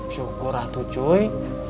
syukurlah tuh cuy